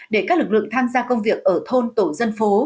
để các lực lượng tham gia công việc ở thôn tổ dân phố